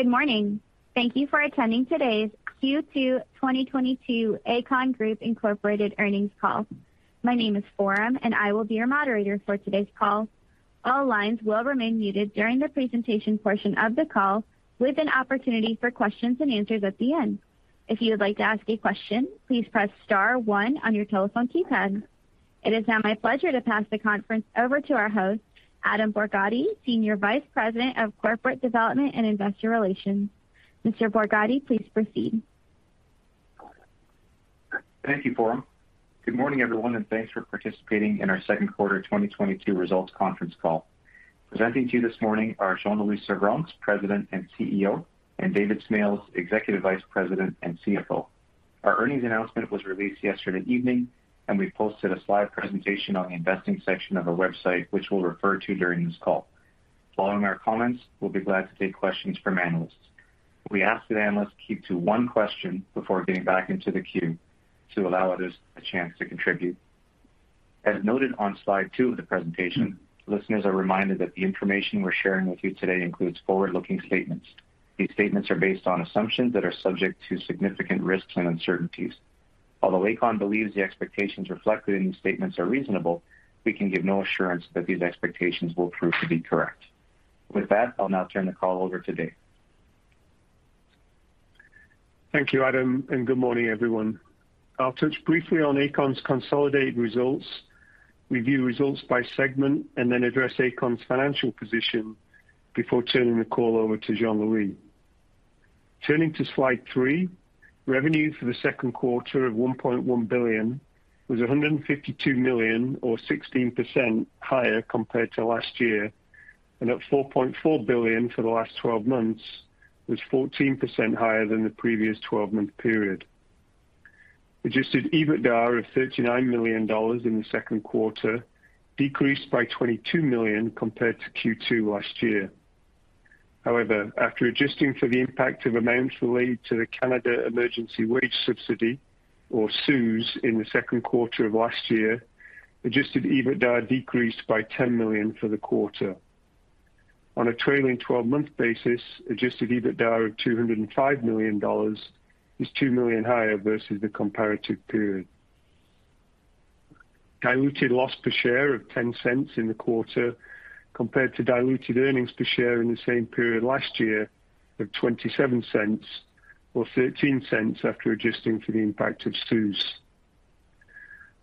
Good morning. Thank you for attending today's Q2 2022 Aecon Group Incorporated earnings call. My name is Porum, and I will be your moderator for today's call. All lines will remain muted during the presentation portion of the call with an opportunity for questions and answers at the end. If you would like to ask a question, please press star one on your telephone keypad. It is now my pleasure to pass the conference over to our host, Adam Borgatti, Senior Vice President of Corporate Development and Investor Relations. Mr. Borgatti, please proceed. Thank you, Porum. Good morning, everyone, and thanks for participating in our second quarter 2022 results conference call. Presenting to you this morning are Jean-Louis Servranckx, President and CEO, and David Smales, Executive Vice President and CFO. Our earnings announcement was released yesterday evening, and we posted a slide presentation on the investing section of our website, which we'll refer to during this call. Following our comments, we'll be glad to take questions from analysts. We ask that analysts keep to one question before getting back into the queue to allow others a chance to contribute. As noted on slide two of the presentation, listeners are reminded that the information we're sharing with you today includes forward-looking statements. These statements are based on assumptions that are subject to significant risks and uncertainties. Although Aecon believes the expectations reflected in these statements are reasonable, we can give no assurance that these expectations will prove to be correct. With that, I'll now turn the call over to Dave. Thank you, Adam, and good morning, everyone. I'll touch briefly on Aecon's consolidated results, review results by segment, and then address Aecon's financial position before turning the call over to Jean-Louis. Turning to slide three, revenue for the second quarter of 1.1 billion was 152 million or 16% higher compared to last year, and at 4.4 billion for the last 12 months was 14% higher than the previous 12-month period. Adjusted EBITDA of 39 million dollars in the second quarter decreased by 22 million compared to Q2 last year. However, after adjusting for the impact of amounts related to the Canada Emergency Wage Subsidy, or CEWS, in the second quarter of last year, Adjusted EBITDA decreased by 10 million for the quarter. On a trailing twelve-month basis, Adjusted EBITDA of 205 million dollars is 2 million higher versus the comparative period. Diluted loss per share of 0.10 in the quarter compared to diluted earnings per share in the same period last year of 0.27 or 0.13 after adjusting for the impact of CEWS.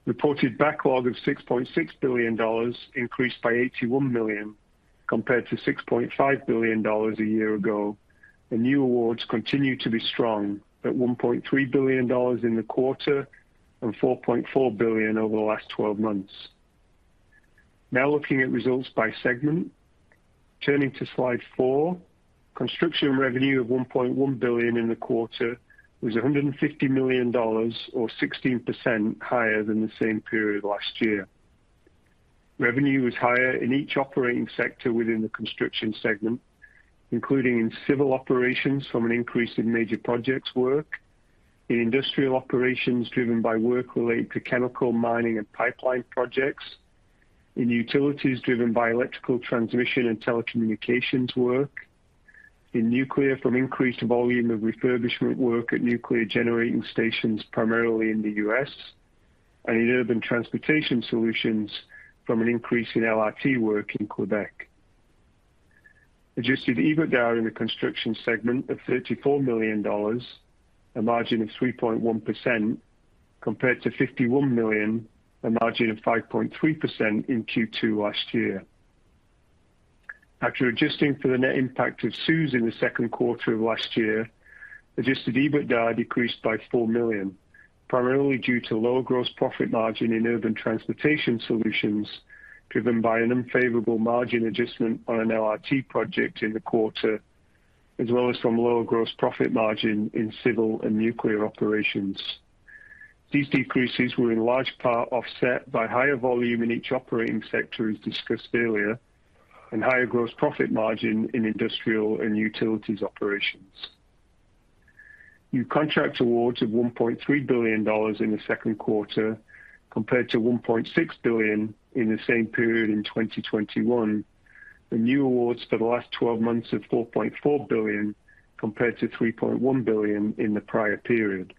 Reported backlog of 6.6 billion dollars increased by 81 million compared to 6.5 billion dollars a year ago. The new awards continue to be strong at 1.3 billion dollars in the quarter and 4.4 billion over the last twelve months. Now looking at results by segment. Turning to slide four, construction revenue of 1.1 billion in the quarter was 150 million dollars or 16% higher than the same period last year. Revenue was higher in each operating sector within the construction segment, including in civil operations from an increase in major projects work, in industrial operations driven by work related to chemical, mining, and pipeline projects, in utilities driven by electrical transmission and telecommunications work, in nuclear from increased volume of refurbishment work at nuclear generating stations primarily in the U.S. and in urban transportation solutions from an increase in LRT work in Quebec. Adjusted EBITDA in the construction segment of 34 million dollars, a margin of 3.1% compared to 51 million, a margin of 5.3% in Q2 last year. After adjusting for the net impact of CEWS in the second quarter of last year, Adjusted EBITDA decreased by 4 million, primarily due to lower gross profit margin in urban transportation solutions, driven by an unfavorable margin adjustment on an LRT project in the quarter, as well as from lower gross profit margin in civil and nuclear operations. These decreases were in large part offset by higher volume in each operating sector, as discussed earlier, and higher gross profit margin in industrial and utilities operations. New contract awards of 1.3 billion dollars in the second quarter compared to 1.6 billion in the same period in 2021. The new awards for the last twelve months of 4.4 billion compared to 3.1 billion in the prior period.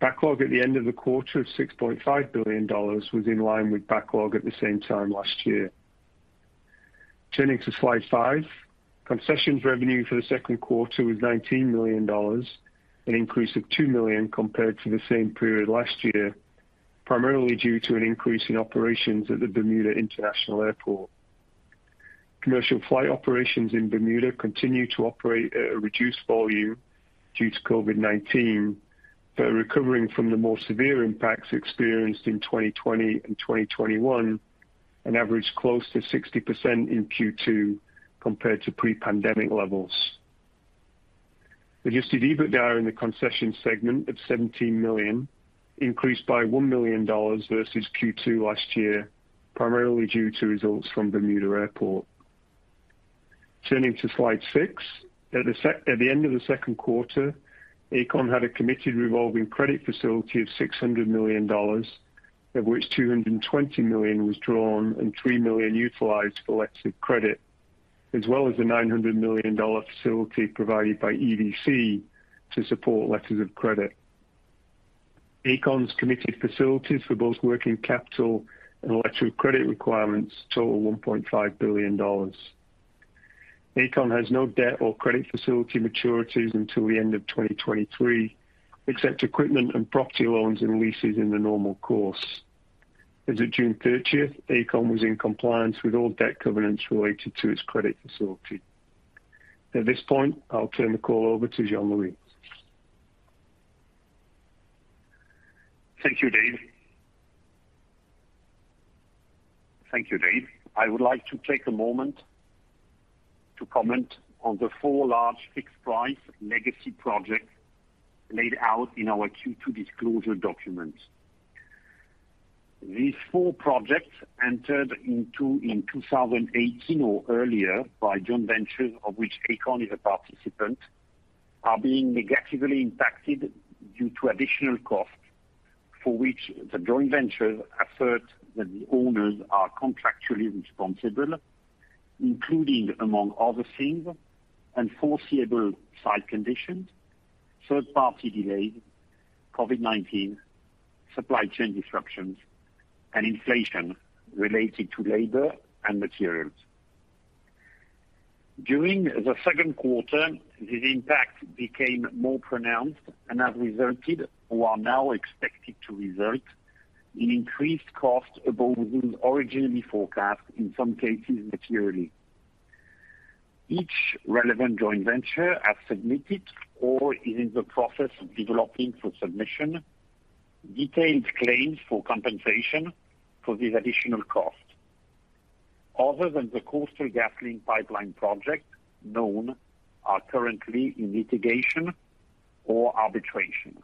Backlog at the end of the quarter of 6.5 billion dollars was in line with backlog at the same time last year. Turning to slide five. Concessions revenue for the second quarter was 19 million dollars, an increase of 2 million compared to the same period last year, primarily due to an increase in operations at the Bermuda International Airport. Commercial flight operations in Bermuda continue to operate at a reduced volume due to COVID-19, though recovering from the more severe impacts experienced in 2020 and 2021 and averaged close to 60% in Q2 compared to pre-pandemic levels. Adjusted EBITDA in the concession segment of 17 million increased by 1 million dollars versus Q2 last year, primarily due to results from Bermuda Airport. Turning to slide six. At the end of the second quarter, Aecon had a committed revolving credit facility of 600 million dollars, of which 220 million was drawn and 3 million utilized for letters of credit, as well as the 900 million dollar facility provided by EDC to support letters of credit. Aecon's committed facilities for both working capital and letter of credit requirements total 1.5 billion dollars. Aecon has no debt or credit facility maturities until the end of 2023, except equipment and property loans and leases in the normal course. As of June 30, Aecon was in compliance with all debt covenants related to its credit facility. At this point, I'll turn the call over to Jean-Louis. Thank you, Dave. I would like to take a moment to comment on the four large fixed-price legacy projects laid out in our Q2 disclosure document. These four projects entered into in 2018 or earlier by joint ventures, of which Aecon is a participant, are being negatively impacted due to additional costs, for which the joint ventures assert that the owners are contractually responsible, including, among other things, unforeseeable site conditions, third-party delays, COVID-19, supply chain disruptions, and inflation related to labor and materials. During the second quarter, this impact became more pronounced and have resulted or are now expected to result in increased costs above those originally forecast, in some cases materially. Each relevant joint venture has submitted or is in the process of developing for submission detailed claims for compensation for these additional costs. Other than the Coastal GasLink pipeline project, none are currently in litigation or arbitration.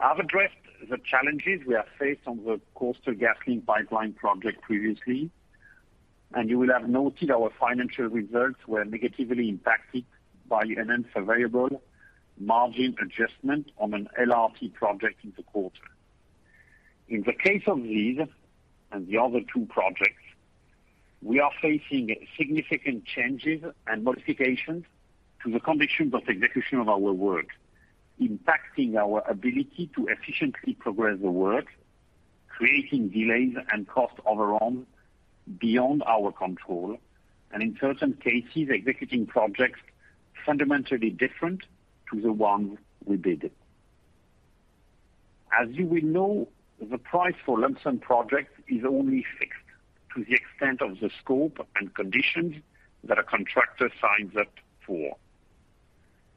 I've addressed the challenges we have faced on the Coastal GasLink pipeline project previously, and you will have noted our financial results were negatively impacted by an unfavorable margin adjustment on an LRT project in the quarter. In the case of these and the other two projects, we are facing significant changes and modifications to the conditions of execution of our work, impacting our ability to efficiently progress the work, creating delays and cost overruns beyond our control, and in certain cases, executing projects fundamentally different to the ones we bid. As you will know, the price for lump sum projects is only fixed to the extent of the scope and conditions that a contractor signs up for.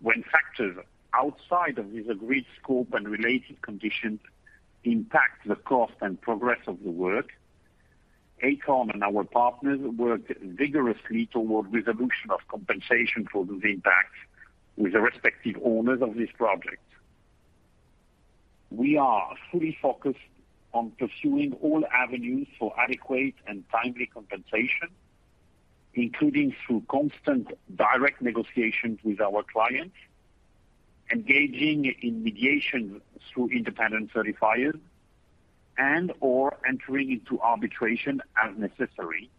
When factors outside of this agreed scope and related conditions impact the cost and progress of the work, Aecon and our partners work vigorously toward resolution of compensation for those impacts with the respective owners of this project. We are fully focused on pursuing all avenues for adequate and timely compensation, including through constant direct negotiations with our clients, engaging in mediation through independent verifiers, and/or entering into arbitration as necessary,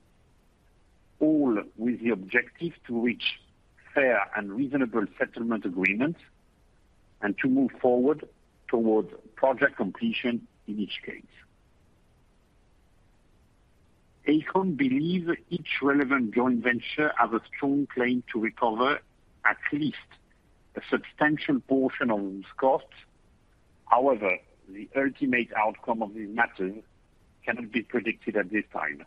all with the objective to reach fair and reasonable settlement agreements and to move forward towards project completion in each case. Aecon believe each relevant joint venture has a strong claim to recover at least a substantial portion of those costs. However, the ultimate outcome of these matters cannot be predicted at this time.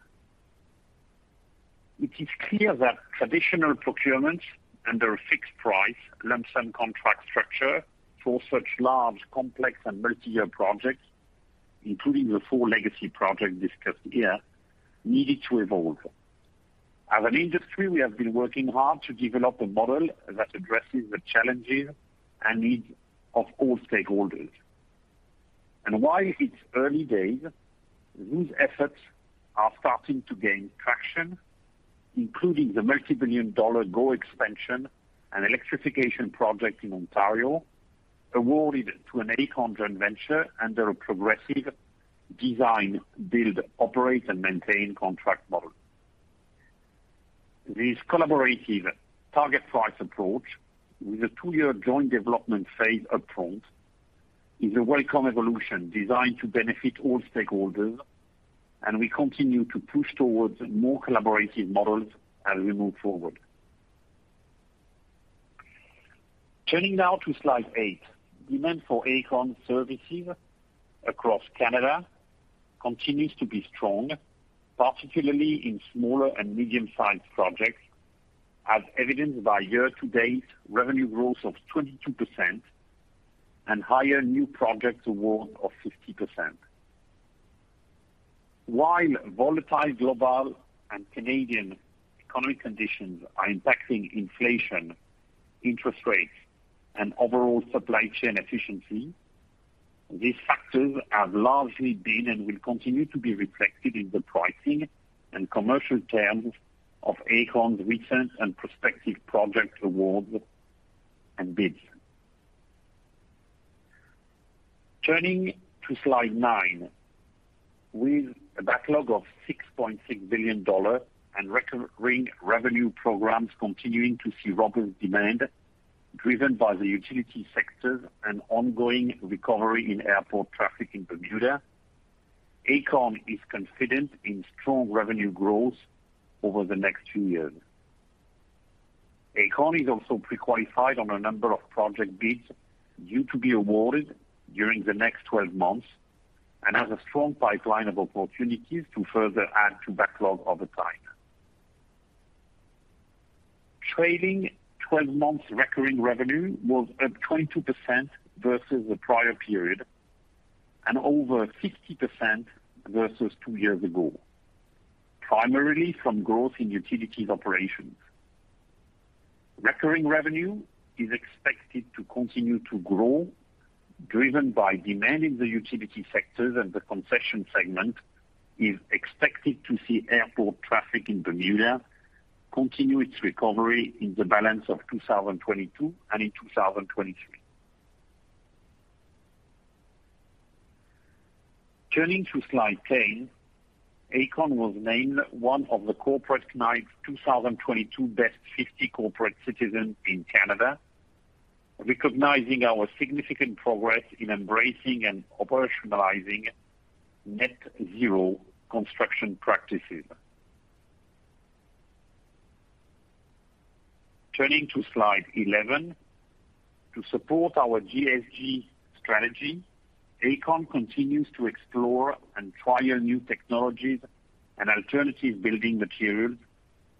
It is clear that traditional procurements under a fixed price lump sum contract structure for such large, complex, and multi-year projects, including the four legacy projects discussed here, needed to evolve. As an industry, we have been working hard to develop a model that addresses the challenges and needs of all stakeholders. While it's early days, these efforts are starting to gain traction, including the multi-billion-dollar GO Expansion and electrification project in Ontario, awarded to an Aecon joint venture under a progressive design, build, operate, and maintain contract model. This collaborative target price approach with a two-year joint development phase upfront is a welcome evolution designed to benefit all stakeholders, and we continue to push towards more collaborative models as we move forward. Turning now to slide eight. Demand for Aecon services across Canada continues to be strong, particularly in smaller and medium-sized projects, as evidenced by year-to-date revenue growth of 22% and higher new project award of 50%. While volatile global and Canadian economic conditions are impacting inflation, interest rates, and overall supply chain efficiency, these factors have largely been and will continue to be reflected in the pricing and commercial terms of Aecon's recent and prospective project awards and bids. Turning to slide nine. With a backlog of 6.6 billion dollars and recurring revenue programs continuing to see robust demand, driven by the utility sectors and ongoing recovery in airport traffic in Bermuda, Aecon is confident in strong revenue growth over the next two years. Aecon is also pre-qualified on a number of project bids due to be awarded during the next 12 months, and has a strong pipeline of opportunities to further add to backlog over time. Trailing 12-months recurring revenue was at 22% versus the prior period and over 50% versus two years ago, primarily from growth in utilities operations. Recurring revenue is expected to continue to grow, driven by demand in the utility sectors, and the concession segment is expected to see airport traffic in Bermuda continue its recovery in the balance of 2022 and in 2023. Turning to slide 10. Aecon was named one of the Corporate Knights 2022 best 50 corporate citizens in Canada, recognizing our significant progress in embracing and operationalizing net zero construction practices. Turning to slide 11. To support our ESG strategy, Aecon continues to explore and trial new technologies and alternative building materials,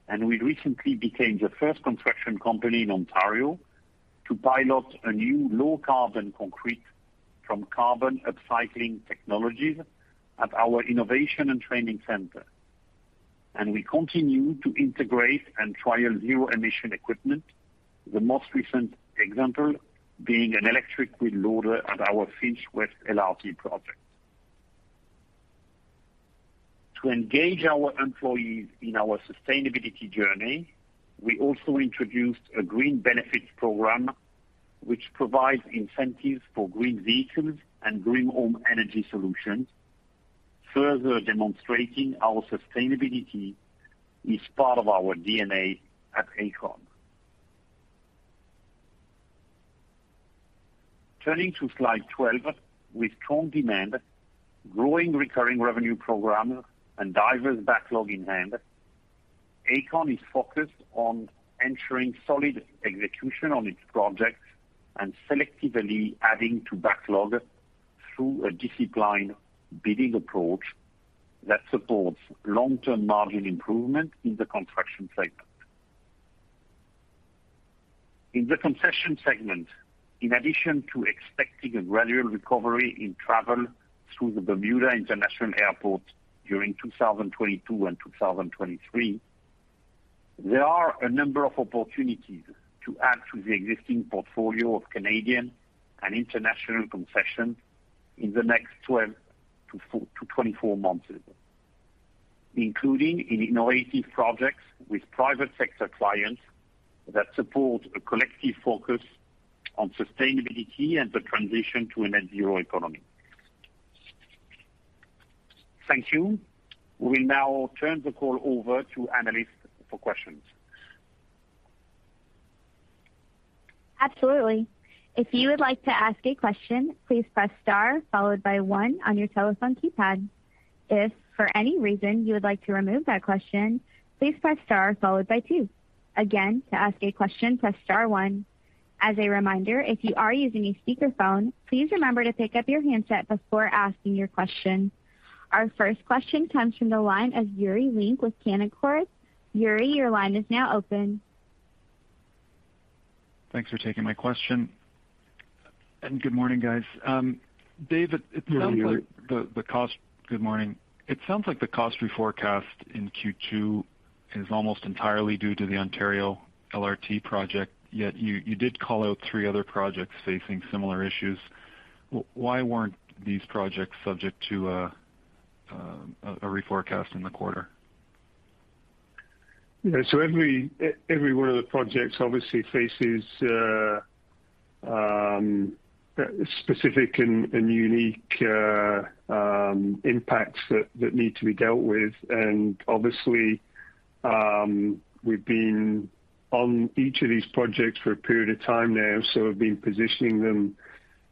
and we recently became the first construction company in Ontario to pilot a new low carbon concrete from Carbon Upcycling Technologies at our innovation and training center. We continue to integrate and trial zero emission equipment, the most recent example being an electric wheel loader at our Finch West LRT project. To engage our employees in our sustainability journey, we also introduced a green benefits program which provides incentives for green vehicles and green home energy solutions, further demonstrating our sustainability is part of our D&A at Aecon. Turning to slide 12. With strong demand, growing recurring revenue program and diverse backlog in hand, Aecon is focused on ensuring solid execution on its projects and selectively adding to backlog through a disciplined bidding approach that supports long-term margin improvement in the construction segment. In the concession segment, in addition to expecting a gradual recovery in travel through the Bermuda International Airport during 2022 and 2023, there are a number of opportunities to add to the existing portfolio of Canadian and international concessions in the next 12 to 24 months, including in innovative projects with private sector clients that support a collective focus on sustainability and the transition to a net zero economy. Thank you. We now turn the call over to analysts for questions. Absolutely. If you would like to ask a question, please press star followed by one on your telephone keypad. If for any reason you would like to remove that question, please press star followed by two. Again, to ask a question, press star one. As a reminder, if you are using a speakerphone, please remember to pick up your handset before asking your question. Our first question comes from the line of Yuri Lynk with Canaccord. Yuri, your line is now open. Thanks for taking my question. Good morning, guys. David, it sounds like the cost- Good morning. Good morning. It sounds like the cost we forecast in Q2 is almost entirely due to the Ontario LRT project, yet you did call out three other projects facing similar issues. Why weren't these projects subject to a reforecast in the quarter? Every one of the projects obviously faces specific and unique impacts that need to be dealt with. Obviously, we've been on each of these projects for a period of time now, so we've been positioning them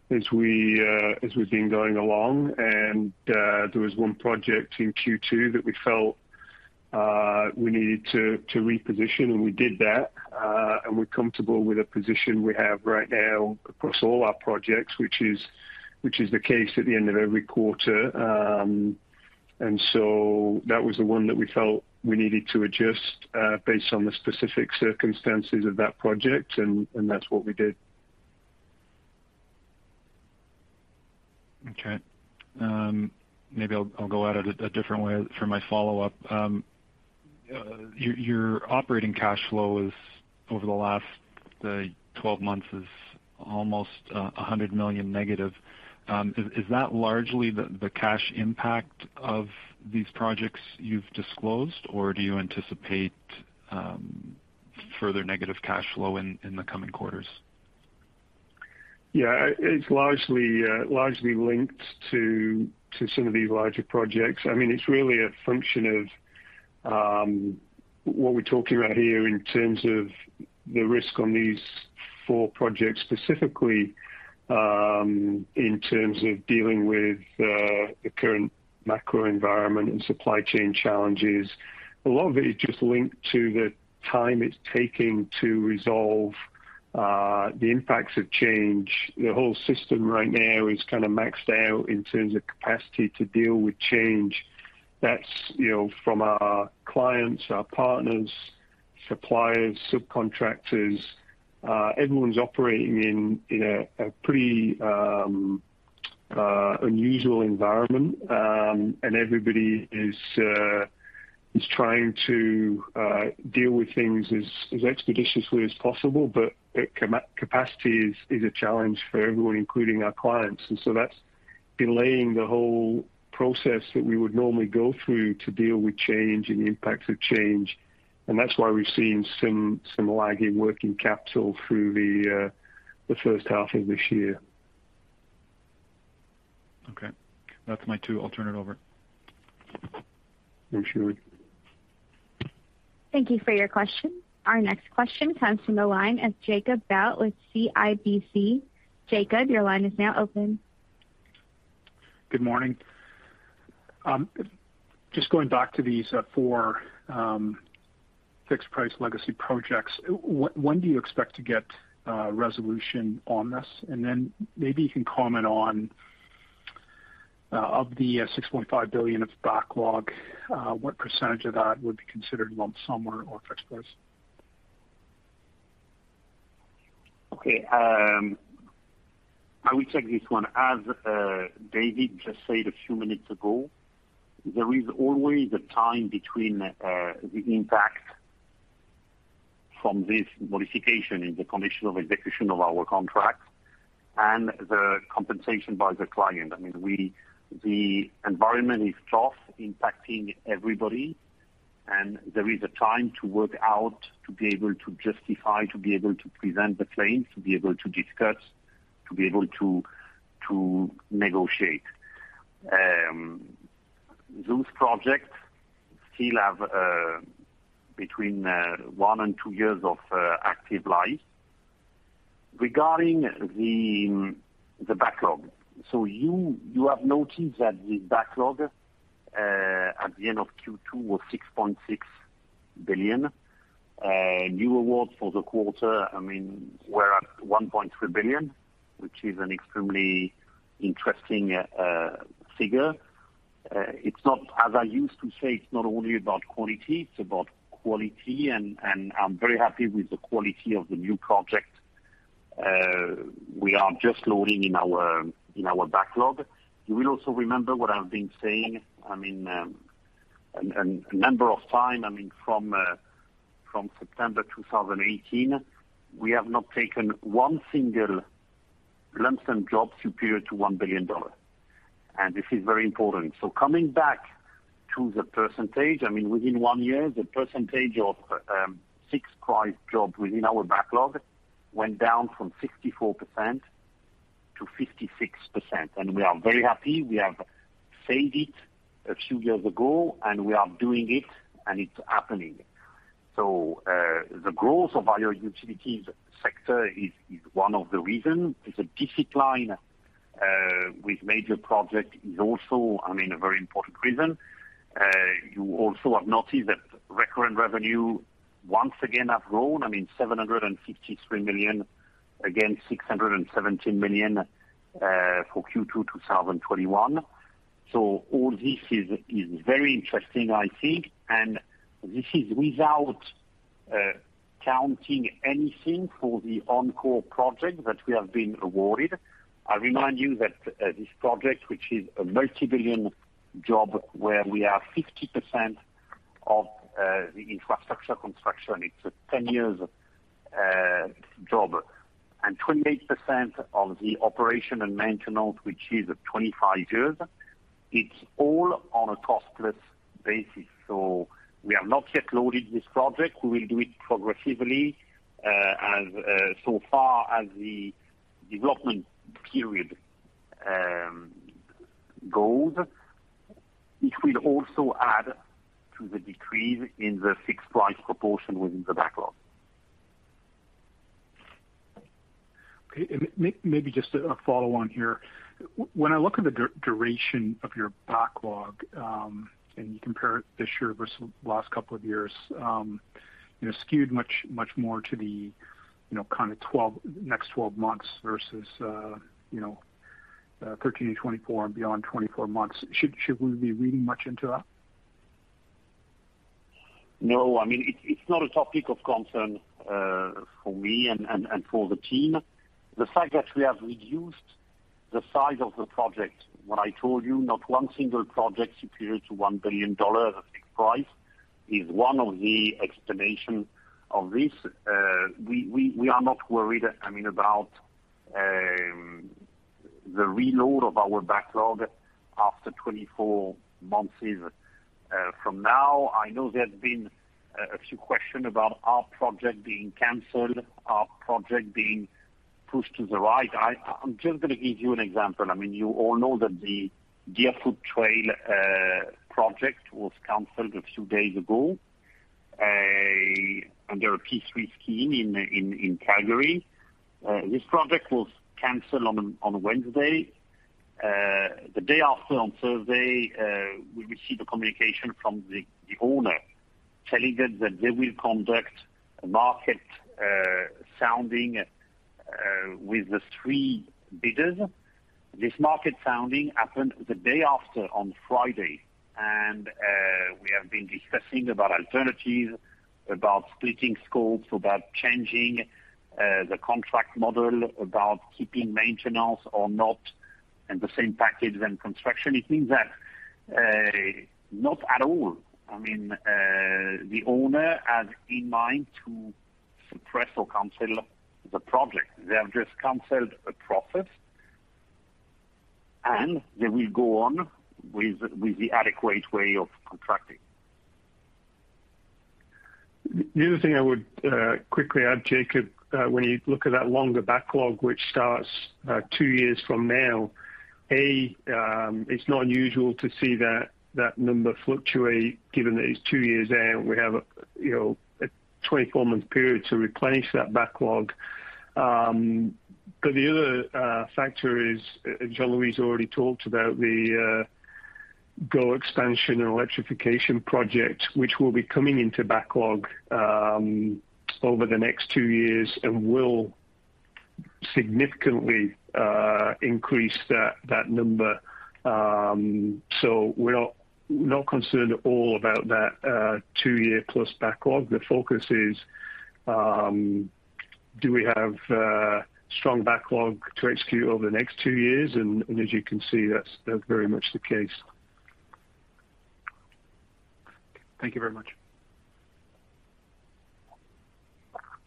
as we've been going along. There was one project in Q2 that we felt we needed to reposition, and we did that. We're comfortable with the position we have right now across all our projects, which is the case at the end of every quarter. That was the one that we felt we needed to adjust based on the specific circumstances of that project and that's what we did. Okay. Maybe I'll go at it a different way for my follow-up. Your operating cash flow is over the last, say, 12 months almost -100 million. Is that largely the cash impact of these projects you've disclosed? Or do you anticipate further negative cash flow in the coming quarters? Yeah. It's largely linked to some of these larger projects. I mean, it's really a function of what we're talking about here in terms of the risk on these four projects specifically, in terms of dealing with the current macro environment and supply chain challenges. A lot of it is just linked to the time it's taking to resolve the impacts of change. The whole system right now is kind of maxed out in terms of capacity to deal with change. That's, you know, from our clients, our partners, suppliers, subcontractors. Everyone's operating in a pretty unusual environment. And everybody is trying to deal with things as expeditiously as possible. Capacity is a challenge for everyone, including our clients. That's delaying the whole process that we would normally go through to deal with change and the impacts of change, and that's why we've seen some lag in working capital through the first half of this year. Okay. That's my two. I'll turn it over. Thanks, Yuri. Thank you for your question. Our next question comes from the line of Jacob Bout with CIBC. Jacob, your line is now open. Good morning. Just going back to these four fixed price legacy projects. When do you expect to get resolution on this? Maybe you can comment on the 6.5 billion of backlog, what percentage of that would be considered lump sum or fixed price? Okay. I will take this one. As David just said a few minutes ago, there is always a time between the impact from this modification in the condition of execution of our contracts and the compensation by the client. I mean, we. The environment is tough, impacting everybody, and there is a time to work out to be able to justify, to be able to present the claims, to be able to negotiate. Those projects still have between one and two years of active life. Regarding the backlog. You have noticed that the backlog at the end of Q2 was 6.6 billion. New awards for the quarter, I mean, we're at 1.3 billion, which is an extremely interesting figure. It's not, as I used to say, it's not only about quality, it's about quality. And I'm very happy with the quality of the new project, we are just loading in our, in our backlog. You will also remember what I've been saying, I mean, a number of time. I mean, from September 2018, we have not taken one single lump sum job superior to 1 billion dollars. This is very important. Coming back to the percentage, I mean, within one year, the percentage of fixed price job within our backlog went down from 64%-56%. We are very happy. We have said it a few years ago, and we are doing it, and it's happening. The growth of our utilities sector is one of the reasons. The discipline with major project is also, I mean, a very important reason. You also have noticed that recurrent revenue, once again have grown. I mean, 753 million against 617 million for Q2 2021. All this is very interesting, I think. This is without counting anything for the OnCorr project that we have been awarded. I remind you that this project, which is a multi-billion job, where we have 50% of the infrastructure construction, it's a 10-year job. 28% of the operation and maintenance, which is 25 years. It's all on a cost-plus basis. We have not yet loaded this project. We will do it progressively as far as the development period goes. It will also add to the decrease in the fixed price proportion within the backlog. Maybe just a follow on here. When I look at the duration of your backlog, and you compare it this year versus last couple of years, you know, skewed much more to the, you know, kind of next 12 months versus, you know, 13 to 24 and beyond 24 months. Should we be reading much into that? No, I mean, it's not a topic of concern for me and for the team. The fact that we have reduced the size of the project, what I told you, not one single project superior to 1 billion dollars price is one of the explanation of this. We are not worried, I mean, about the reload of our backlog after 24 months. From now, I know there's been a few questions about our project being canceled, our project being pushed to the right. I'm just gonna give you an example. I mean, you all know that the Deerfoot Trail project was canceled a few days ago under a P3 scheme in Calgary. This project was canceled on Wednesday. The day after on Thursday, we received a communication from the owner telling us that they will conduct a market sounding with the three bidders. This market sounding happened the day after on Friday. We have been discussing about alternatives, about splitting scopes, about changing the contract model, about keeping maintenance or not in the same package than construction. It means that not at all. I mean, the owner has in mind to suppress or cancel the project. They have just canceled a process, and they will go on with the adequate way of contracting. The other thing I would quickly add, Jacob, when you look at that longer backlog, which starts two years from now, it's not unusual to see that number fluctuate given that it's two years out. We have, you know, a 24-month period to replace that backlog. The other factor is, as Jean-Louis already talked about, the GO Expansion and electrification project, which will be coming into backlog over the next two years and will significantly increase that number. We're not concerned at all about that two-year plus backlog. The focus is, do we have strong backlog to execute over the next two years? As you can see, that's very much the case. Thank you very much.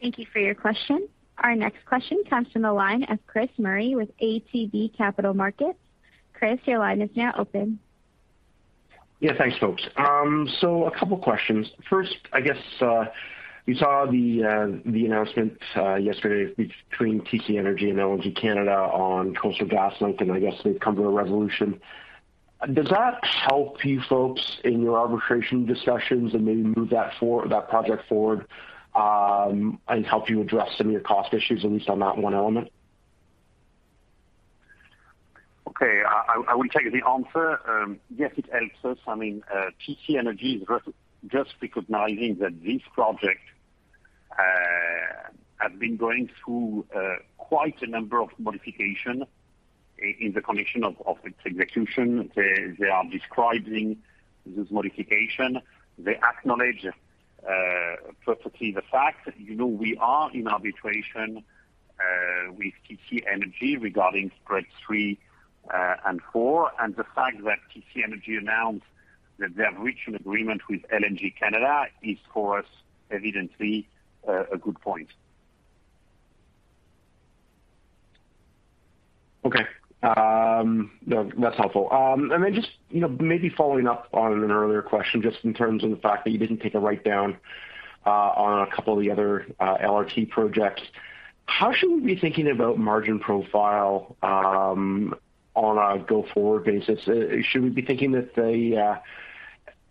Thank you for your question. Our next question comes from the line of Chris Murray with ATB Capital Markets. Chris, your line is now open. Yeah, thanks, folks. A couple questions. First, I guess, we saw the announcement yesterday between TC Energy and LNG Canada on Coastal GasLink, and I guess they've come to a resolution. Does that help you folks in your arbitration discussions and maybe move that project forward, and help you address some of your cost issues, at least on that one element? Okay. I will take the answer. Yes, it helps us. I mean, TC Energy is just recognizing that this project has been going through quite a number of modifications in the conditions of its execution. They are describing this modification. They acknowledge perfectly the fact that, you know, we are in arbitration with TC Energy regarding Spread three and four, and the fact that TC Energy announced that they have reached an agreement with LNG Canada is for us evidently a good point. Okay. No, that's helpful. And then just, you know, maybe following up on an earlier question, just in terms of the fact that you didn't take a write-down on a couple of the other LRT projects. How should we be thinking about margin profile on a go-forward basis? Should we be thinking that the,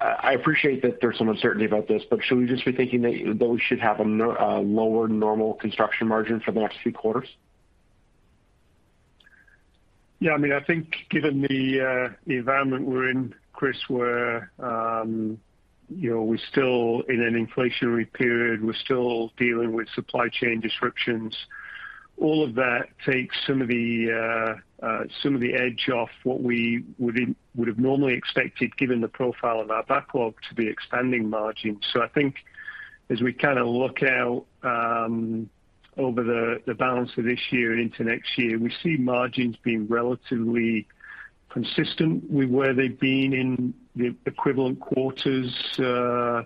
I appreciate that there's some uncertainty about this, but should we just be thinking that those should have a lower normal construction margin for the next few quarters? Yeah. I mean, I think given the environment we're in, Chris, where, you know, we're still in an inflationary period, we're still dealing with supply chain disruptions. All of that takes some of the edge off what we would have normally expected, given the profile of our backlog, to be expanding margins. I think as we kinda look out over the balance of this year and into next year, we see margins being relatively consistent with where they've been in the equivalent quarters over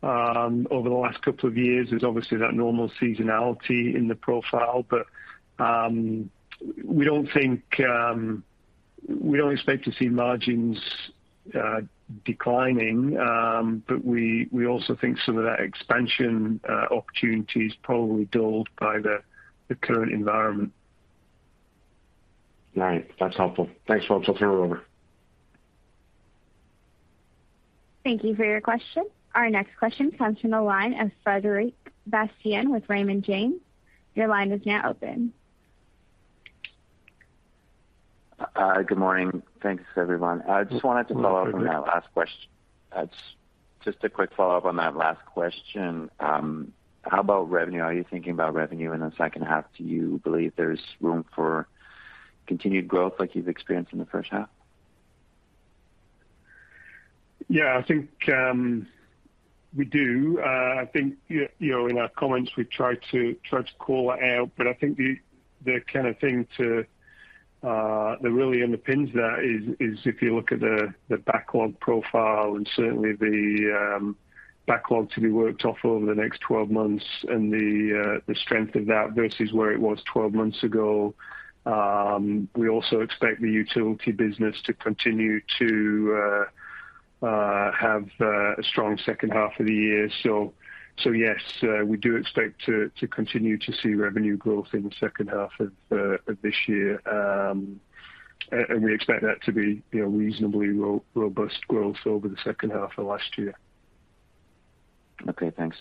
the last couple of years. There's obviously that normal seasonality in the profile, but we don't think we don't expect to see margins declining, but we also think some of that expansion opportunity is probably dulled by the current environment. Right. That's helpful. Thanks, folks. I'll turn it over. Thank you for your question. Our next question comes from the line of Frederic Bastien with Raymond James. Your line is now open. Good morning. Thanks, everyone. I just wanted to follow up on that last question. Just a quick follow-up on that last question. How about revenue? Are you thinking about revenue in the second half? Do you believe there's room for continued growth like you've experienced in the first half? Yeah, I think we do. I think you know, in our comments, we try to call it out. I think the kind of thing that really underpins that is if you look at the backlog profile and certainly the backlog to be worked off over the next 12 months and the strength of that versus where it was 12 months ago. We also expect the utility business to continue to have a strong second half of the year. Yes, we do expect to continue to see revenue growth in the second half of this year. We expect that to be you know, reasonably robust growth over the second half of last year. Okay, thanks.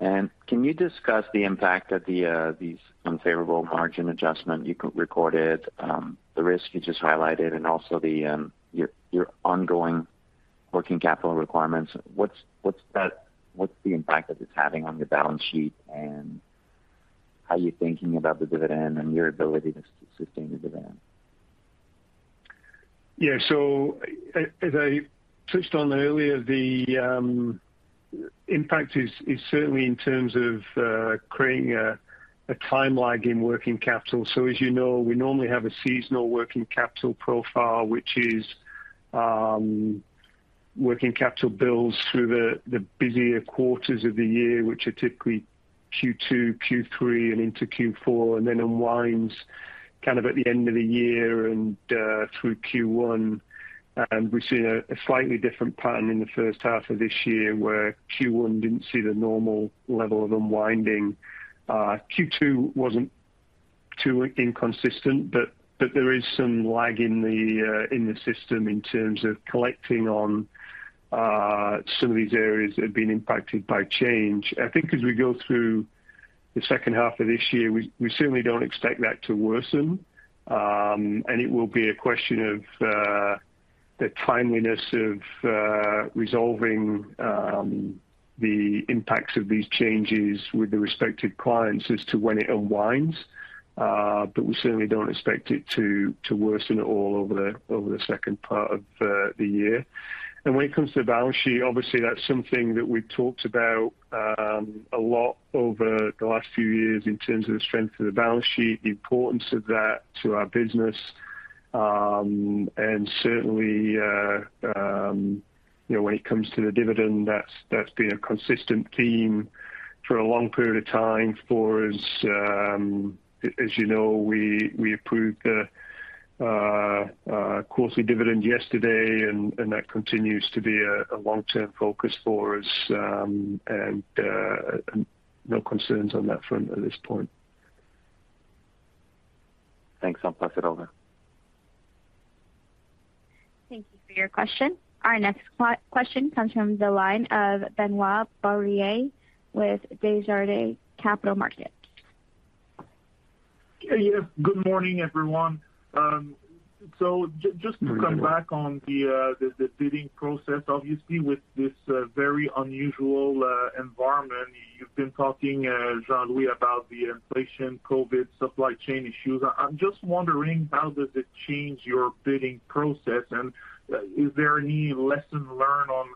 Can you discuss the impact that the these unfavorable margin adjustment you recorded, the risk you just highlighted and also the your ongoing working capital requirements? What's the impact that it's having on your balance sheet, and how are you thinking about the dividend and your ability to sustain the dividend? Yeah. As I touched on earlier, the impact is certainly in terms of creating a time lag in working capital. As you know, we normally have a seasonal working capital profile, which is working capital builds through the busier quarters of the year, which are typically Q2, Q3, and into Q4, and then unwinds kind of at the end of the year and through Q1. We've seen a slightly different pattern in the first half of this year, where Q1 didn't see the normal level of unwinding. Q2 wasn't too inconsistent, but there is some lag in the system in terms of collecting on some of these areas that have been impacted by change. I think as we go through the second half of this year, we certainly don't expect that to worsen. It will be a question of the timeliness of resolving the impacts of these changes with the respective clients as to when it unwinds. We certainly don't expect it to worsen at all over the second part of the year. When it comes to the balance sheet, obviously that's something that we've talked about a lot over the last few years in terms of the strength of the balance sheet, the importance of that to our business. Certainly, you know, when it comes to the dividend, that's been a consistent theme for a long period of time for us. As you know, we approved the quarterly dividend yesterday and that continues to be a long-term focus for us. No concerns on that front at this point. Thanks. I'll pass it over. Thank you for your question. Our next question comes from the line of Benoit Poirier with Desjardins Capital Markets. Yeah. Good morning, everyone. Just to come back. Good morning, Benoit. On the bidding process, obviously with this very unusual environment, you've been talking, Jean-Louis, about the inflation, COVID, supply chain issues. I'm just wondering, how does it change your bidding process? Is there any lesson learned on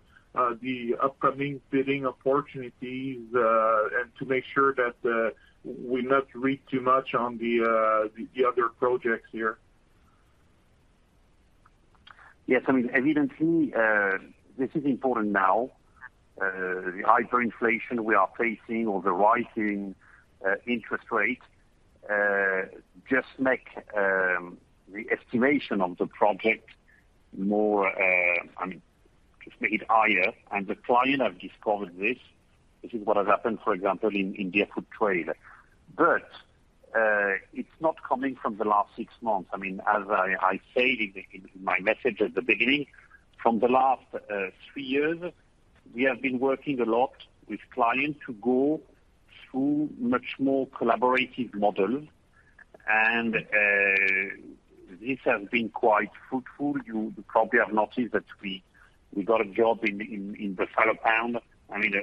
the upcoming bidding opportunities, and to make sure that we not read too much on the other projects here? Yes. I mean, evidently, this is important now. The hyperinflation we are facing or the rising interest rate just make the estimation of the project more, I mean, just make it higher. The client have discovered this. This is what has happened, for example, in the Deerfoot Trail. It's not coming from the last six months. I mean, as I said in my message at the beginning, from the last three years, we have been working a lot with clients to go through much more collaborative model. This has been quite fruitful. You probably have noticed that we got a job in Buffalo Pound. I mean,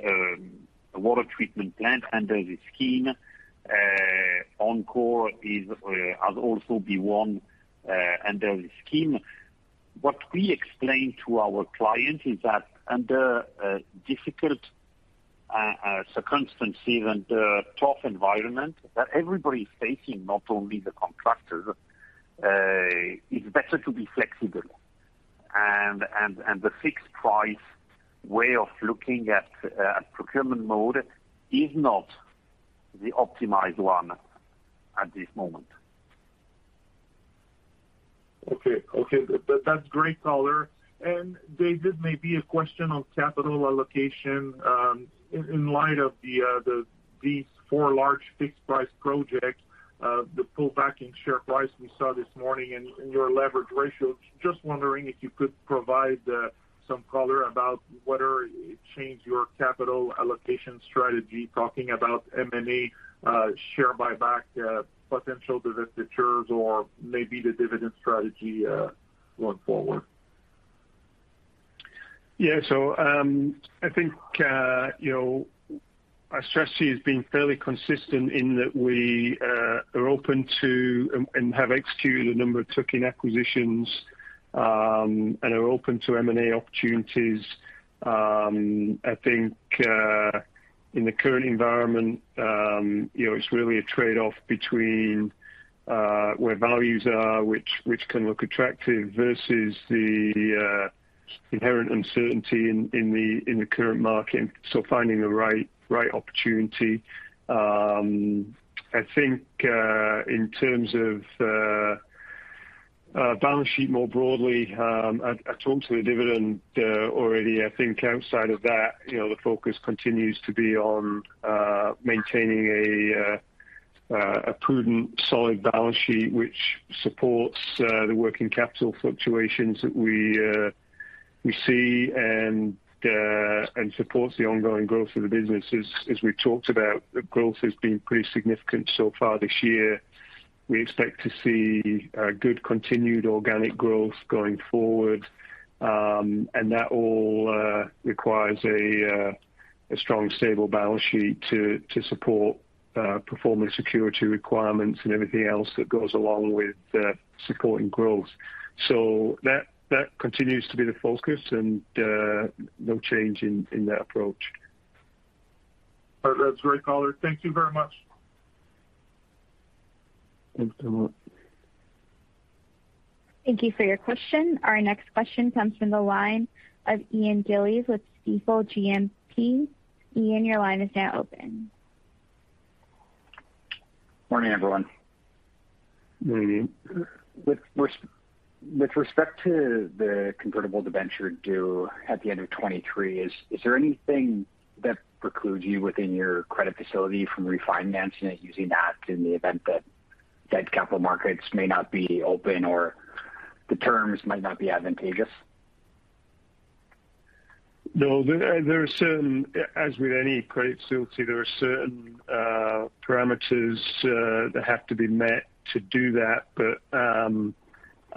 a water treatment plant under the scheme. OnCorr has also been won under the scheme. What we explain to our client is that under difficult circumstances and tough environment that everybody is facing, not only the contractors, it's better to be flexible. The fixed price way of looking at procurement mode is not the optimized one at this moment. Okay. That's great color. Dave, this may be a question on capital allocation. In light of these four large fixed price projects, the pullback in share price we saw this morning and your leverage ratio. Just wondering if you could provide some color about whether it changed your capital allocation strategy, talking about M&A, share buyback, potential divestitures, or maybe the dividend strategy, going forward. Yeah. I think you know, our strategy has been fairly consistent in that we are open to and have executed a number of tuck-in acquisitions and are open to M&A opportunities. I think in the current environment you know, it's really a trade-off between where values are, which can look attractive versus the inherent uncertainty in the current market. Finding the right opportunity. I think in terms of our balance sheet more broadly, I talked to the dividend already. I think outside of that, you know, the focus continues to be on maintaining a prudent solid balance sheet, which supports the working capital fluctuations that we see and supports the ongoing growth of the business. As we've talked about, the growth has been pretty significant so far this year. We expect to see good continued organic growth going forward. That all requires a strong stable balance sheet to support performance security requirements and everything else that goes along with supporting growth. That continues to be the focus and no change in that approach. All right. That's great, Color. Thank you very much. Thanks so much. Thank you for your question. Our next question comes from the line of Ian Gillies with Stifel GMP. Ian, your line is now open. Morning, everyone. Morning, Ian. With respect to the convertible debenture due at the end of 2023, is there anything that precludes you within your credit facility from refinancing it using that in the event that debt capital markets may not be open or the terms might not be advantageous? No. As with any credit facility, there are certain parameters that have to be met to do that. But I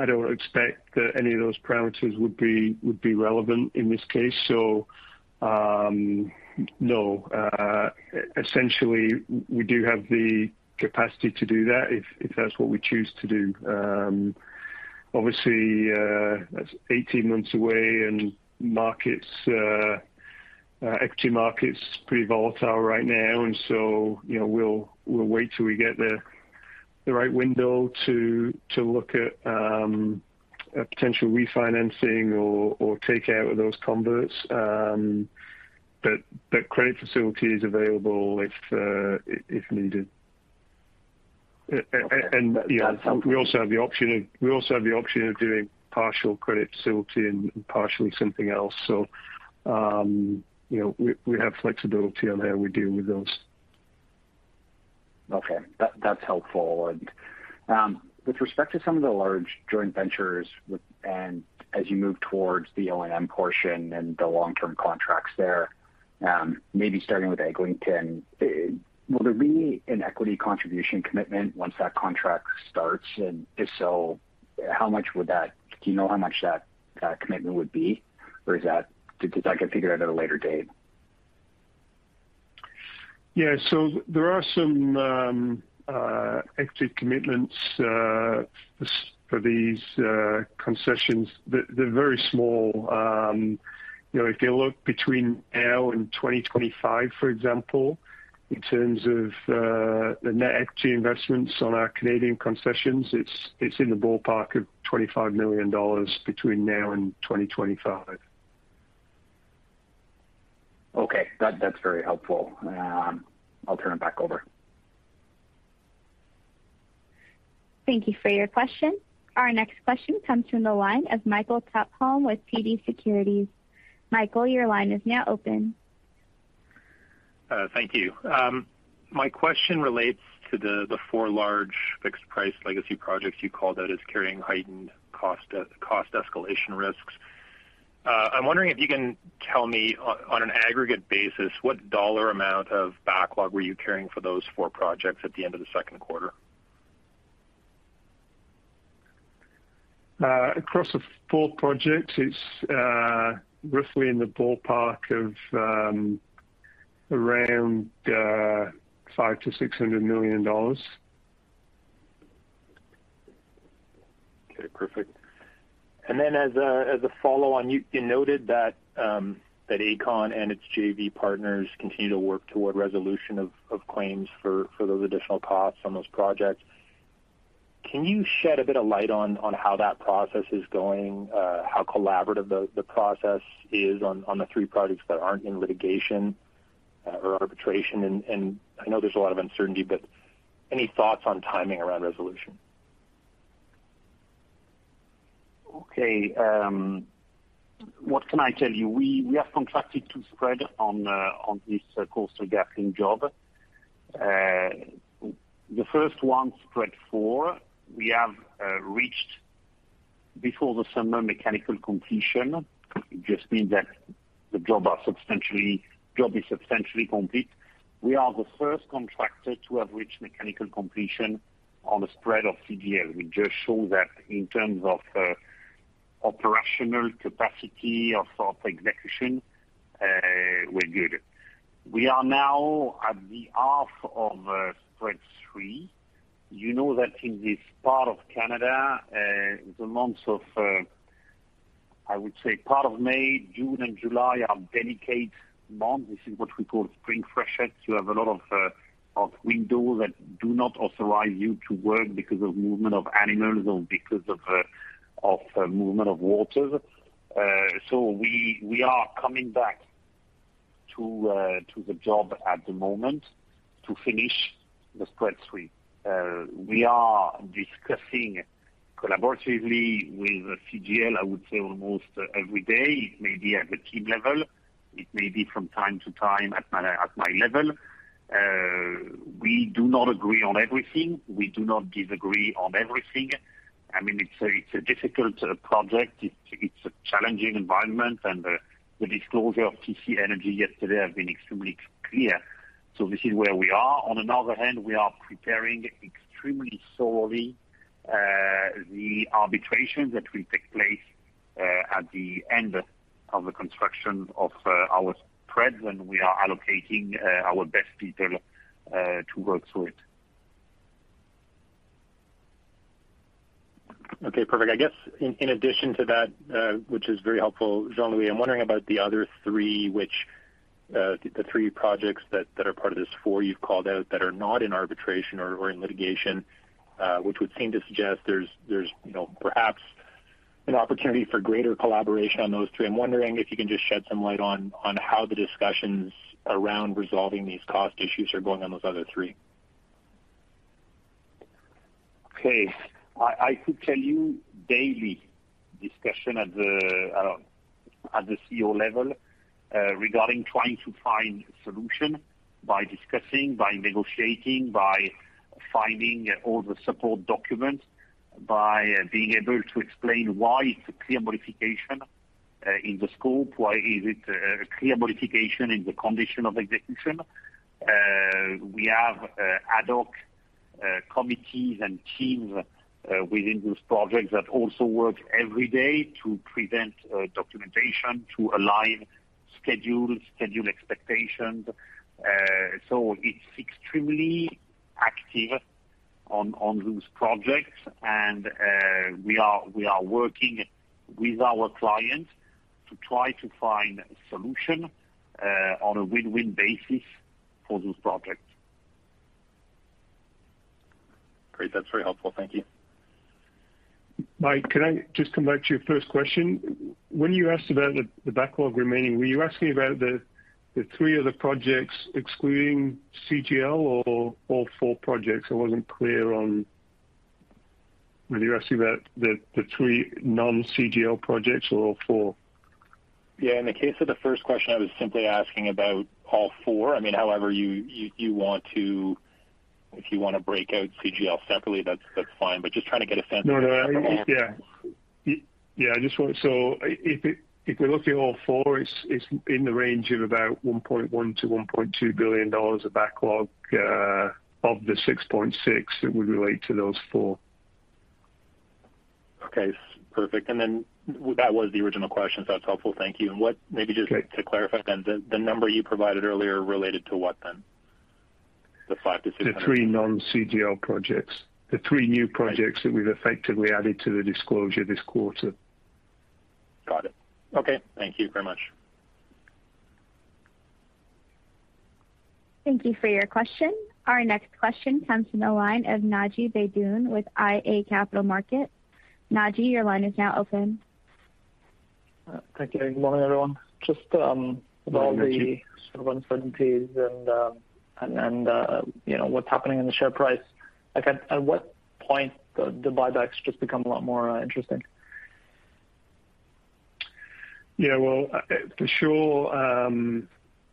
don't expect that any of those parameters would be relevant in this case. No. Essentially, we do have the capacity to do that if that's what we choose to do. Obviously, that's 18 months away and the equity market's pretty volatile right now. You know, we'll wait till we get the right window to look at a potential refinancing or take out of those converts. But that credit facility is available if needed. And, yeah, we also have the option of doing partial credit facility and partially something else. You know, we have flexibility on how we deal with those. Okay. That's helpful. With respect to some of the large joint ventures, as you move towards the O&M portion and the long-term contracts there, maybe starting with Eglinton, will there be an equity contribution commitment once that contract starts? If so, do you know how much that commitment would be? Did that get figured out at a later date? Yeah. There are some exit commitments for these concessions. They're very small. You know, if you look between now and 2025, for example, in terms of the net equity investments on our Canadian concessions, it's in the ballpark of 25 million dollars between now and 2025. Okay. That, that's very helpful. I'll turn it back over. Thank you for your question. Our next question comes from the line of Michael Tupholme with TD Securities. Michael, your line is now open. Thank you. My question relates to the four large fixed price legacy projects you called out as carrying heightened cost escalation risks. I'm wondering if you can tell me on an aggregate basis, what dollar amount of backlog were you carrying for those four projects at the end of the second quarter? Across the four projects, it's roughly in the ballpark of around CAD 500 million-CAD 600 million. Okay, perfect. As a follow on, you noted that Aecon and its JV partners continue to work toward resolution of claims for those additional costs on those projects. Can you shed a bit of light on how that process is going? How collaborative the process is on the three projects that aren't in litigation or arbitration? I know there's a lot of uncertainty, but any thoughts on timing around resolution? Okay. What can I tell you? We have contracted to spread on this Coastal GasLink job. The first one, Spread four, we have reached before the summer mechanical completion. It just means that the job is substantially complete. We are the first contractor to have reached mechanical completion on a spread of CGL, which just shows that in terms of operational capacity of our execution, we're good. We are now at the half of Spread three. You know that in this part of Canada, the months of, I would say part of May, June, and July are delicate months. This is what we call spring freshet. You have a lot of windows that do not authorize you to work because of movement of animals or because of movement of waters. We are coming back to the job at the moment to finish the Spread three. We are discussing collaboratively with CGL, I would say almost every day. It may be at the team level, it may be from time to time at my level. We do not agree on everything. We do not disagree on everything. I mean, it's a difficult project. It's a challenging environment. The disclosure of TC Energy yesterday has been extremely clear. This is where we are. On the other hand, we are preparing extremely thoroughly the arbitration that will take place at the end of the construction of our spread, and we are allocating our best people to work through it. Okay, perfect. I guess in addition to that, which is very helpful, Jean-Louis, I'm wondering about the other three which the three projects that are part of this four you've called out that are not in arbitration or in litigation, which would seem to suggest there's you know, perhaps an opportunity for greater collaboration on those three. I'm wondering if you can just shed some light on how the discussions around resolving these cost issues are going on those other three. I could tell you daily discussion at the CEO level regarding trying to find solution by discussing, by negotiating, by finding all the support documents, by being able to explain why it's a clear modification in the scope. Why is it a clear modification in the condition of execution? We have ad hoc committees and teams within those projects that also work every day to present documentation to align schedules, schedule expectations. It's extremely active on those projects and we are working with our client to try to find a solution on a win-win basis for those projects. Great. That's very helpful. Thank you. Mike, can I just come back to your first question? When you asked about the backlog remaining, were you asking about the three other projects excluding CGL or all four projects? I wasn't clear on. Were you asking about the three non-CGL projects or all four? Yeah. In the case of the first question, I was simply asking about all four. I mean, however you want to, if you wanna break out CGL separately, that's fine. But just trying to get a sense of. No, no. Yeah. Yeah, I just want. If we look at all four, it's in the range of about 1.1 billion-1.2 billion dollars of backlog, of the 6.6 billion that would relate to those four. Okay, perfect. That was the original question, so that's helpful. Thank you. What Okay. Maybe just to clarify then, the number you provided earlier related to what then? The five-six The three non-CGL projects. The three new projects that we've effectively added to the disclosure this quarter. Got it. Okay. Thank you very much. Thank you for your question. Our next question comes from the line of Naji Baydoun with iA Capital Markets. Naji, your line is now open. Thank you. Good morning, everyone. Good morning, Naji. With all the sort of uncertainties and you know, what's happening in the share price, like at what point the buybacks just become a lot more interesting? Yeah. Well, for sure,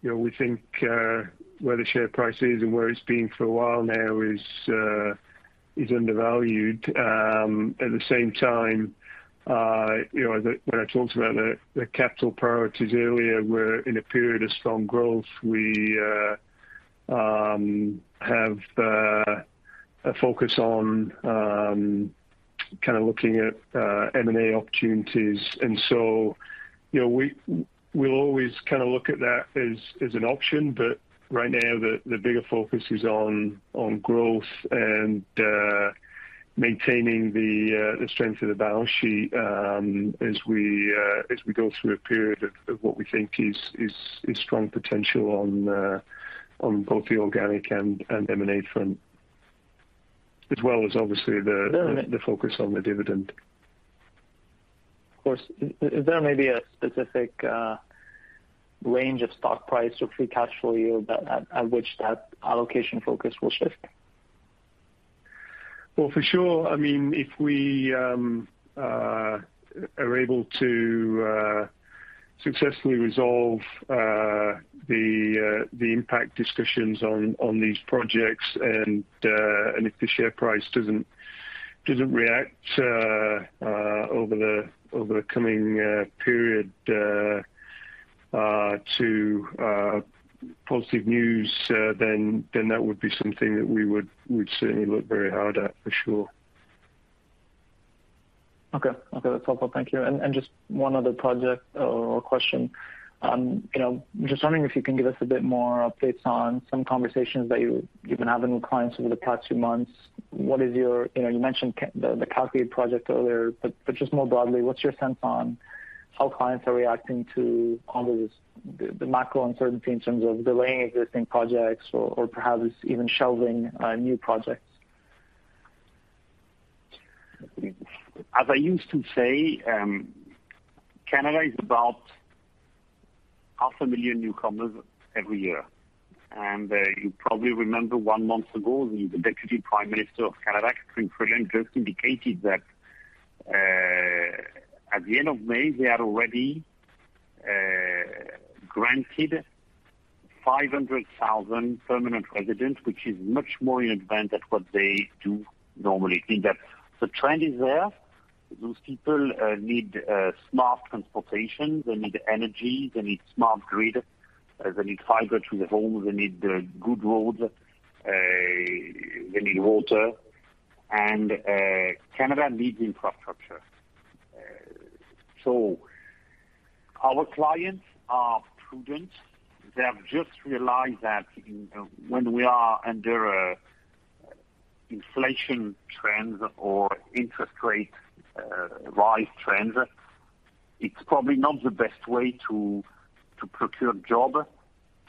you know, we think where the share price is and where it's been for a while now is undervalued. At the same time, you know, when I talked about the capital priorities earlier, we're in a period of strong growth. We have a focus on kind of looking at M&A opportunities. You know, we'll always kinda look at that as an option. Right now the bigger focus is on growth and maintaining the strength of the balance sheet, as we go through a period of what we think is strong potential on both the organic and M&A front. Yeah The focus on the dividend. Of course. Is there maybe a specific range of stock price or free cash flow yield that at which that allocation focus will shift? Well, for sure. I mean, if we are able to successfully resolve the impact discussions on these projects and if the share price doesn't react over the coming period to positive news, then that would be something that we'd certainly look very hard at for sure. Okay. Okay, that's helpful. Thank you. Just one other project or question. You know, just wondering if you can give us a bit more updates on some conversations that you've been having with clients over the past few months. What is your. You know, you mentioned the Calgary project earlier, but just more broadly, what's your sense on how clients are reacting to all of this, the macro uncertainty in terms of delaying existing projects or perhaps even shelving new projects? As I used to say, Canada is about half a million newcomers every year. You probably remember one month ago, the Deputy Prime Minister of Canada, Chrystia Freeland, just indicated that, at the end of May, they had already granted 500,000 permanent residents, which is much more in advance than what they do normally. I think that the trend is there. Those people need smart transportation. They need energy. They need smart grid. They need fiber to the home. They need good roads. They need water. Canada needs infrastructure. Our clients are prudent. They have just realized that, you know, when we are under an inflation trend or interest rate rise trend, it's probably not the best way to procure job,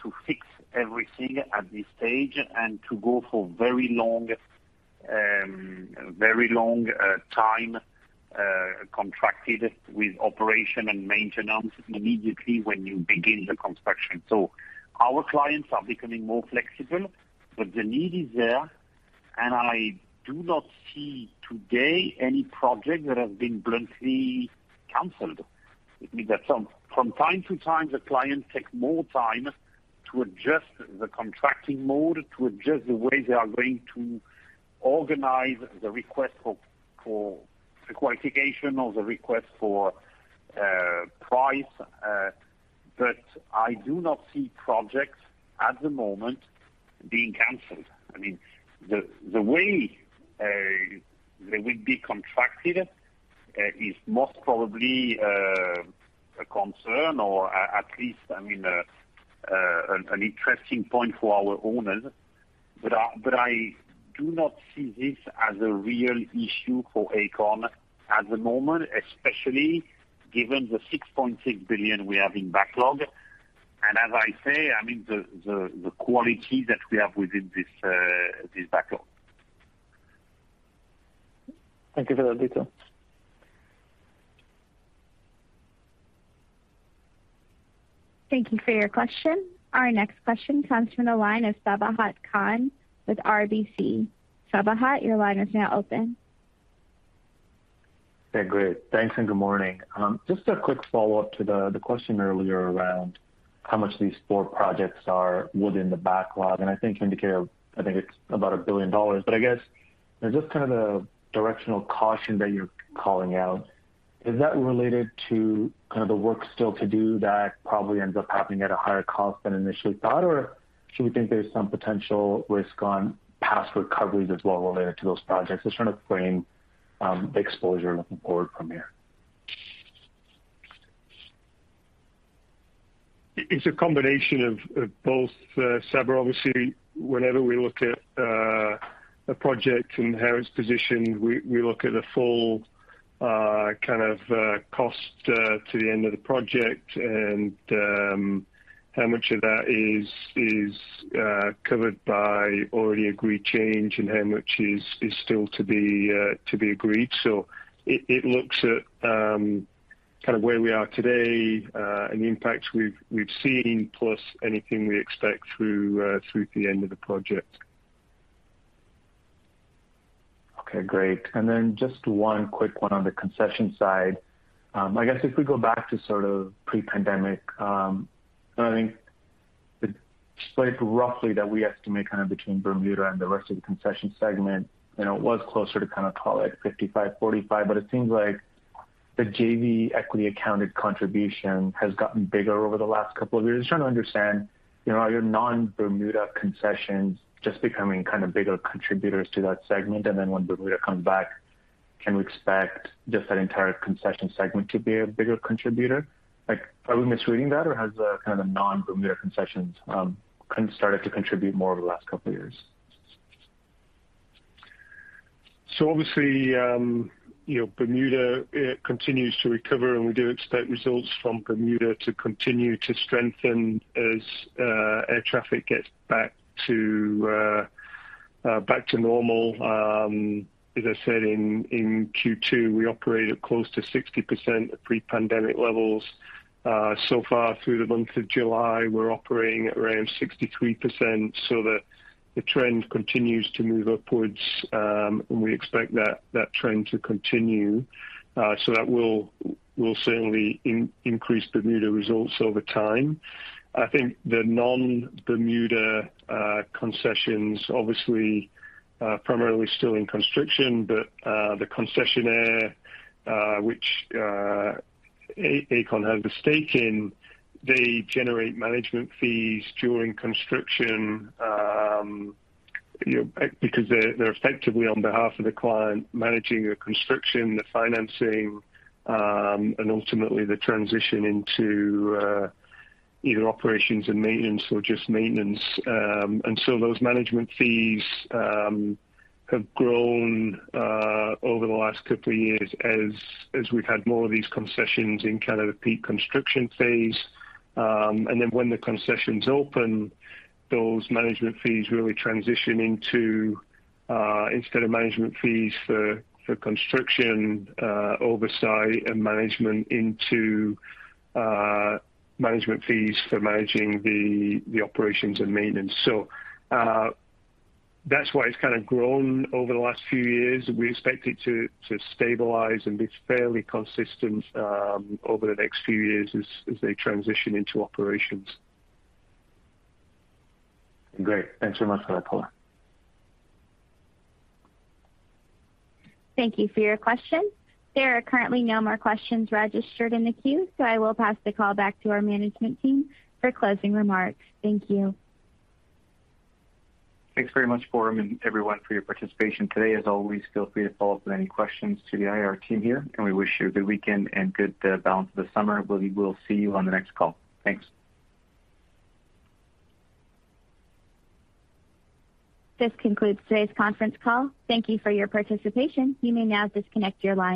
to fix everything at this stage and to go for very long time contracted with operation and maintenance immediately when you begin the construction. Our clients are becoming more flexible, but the need is there, and I do not see today any project that has been bluntly canceled. It means that some from time to time, the clients take more time to adjust the contracting mode, to adjust the way they are going to organize the request for a qualification or the request for price, but I do not see projects at the moment being canceled. I mean, the way they will be contracted is most probably a concern, or at least, I mean, an interesting point for our owners. I do not see this as a real issue for Aecon at the moment, especially given the 6.6 billion we have in backlog. As I say, I mean, the quality that we have within this backlog. Thank you for that detail. Thank you for your question. Our next question comes from the line of Sabahat Khan with RBC. Sabahat, your line is now open. Yeah, great. Thanks, and good morning. Just a quick follow-up to the question earlier around how much these four projects are within the backlog, and I think you indicated, I think it's about 1 billion dollars. But I guess just kind of the directional caution that you're calling out, is that related to kind of the work still to do that probably ends up happening at a higher cost than initially thought? Or should we think there's some potential risk on past recoveries as well related to those projects? Just trying to frame the exposure looking forward from here. It's a combination of both, Sabahat. Obviously, whenever we look at a project and how it's positioned, we look at the full kind of cost to the end of the project and how much of that is covered by already agreed change and how much is still to be agreed. It looks at kind of where we are today and the impacts we've seen, plus anything we expect through to the end of the project. Okay, great. Just one quick one on the concession side. I guess if we go back to sort of pre-pandemic, and I think the split roughly that we estimate kind of between Bermuda and the rest of the concession segment, you know, was closer to kind of call it 55-45. It seems like the JV equity accounted contribution has gotten bigger over the last couple of years. Just trying to understand, you know, are your non-Bermuda concessions just becoming kind of bigger contributors to that segment? Then when Bermuda comes back, can we expect just that entire concession segment to be a bigger contributor? Like, are we misreading that, or has kind of non-Bermuda concessions kind of started to contribute more over the last couple of years? Obviously, you know, Bermuda continues to recover, and we do expect results from Bermuda to continue to strengthen as air traffic gets back to normal. As I said, in Q2, we operated close to 60% of pre-pandemic levels. So far through the month of July, we're operating at around 63%, so the trend continues to move upwards, and we expect that trend to continue. That will certainly increase Bermuda results over time. I think the non-Bermuda concessions obviously primarily still in construction, but the concessionaire, which Aecon has a stake in, they generate management fees during construction, you know, because they're effectively on behalf of the client managing the construction, the financing, and ultimately the transition into either operations and maintenance or just maintenance. Those management fees have grown over the last couple of years as we've had more of these concessions in kind of the peak construction phase. When the concessions open, those management fees really transition into instead of management fees for construction oversight and management into management fees for managing the operations and maintenance. That's why it's kind of grown over the last few years. We expect it to stabilize and be fairly consistent over the next few years as they transition into operations. Great. Thanks so much for that call. Thank you for your question. There are currently no more questions registered in the queue, so I will pass the call back to our management team for closing remarks. Thank you. Thanks very much, Porum, and everyone for your participation today. As always, feel free to follow up with any questions to the IR team here, and we wish you a good weekend and good balance of the summer. We will see you on the next call. Thanks. This concludes today's conference call. Thank you for your participation. You may now disconnect your line.